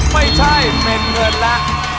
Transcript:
ไม่ใช่เป็นเงินแล้ว